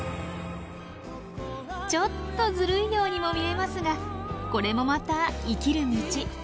ちょっとずるいようにも見えますがこれもまた生きる道。